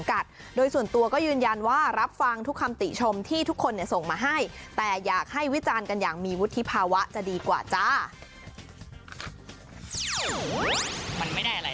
ก็อยากจะบอกทุกคนว่าปล่อยผ่านได้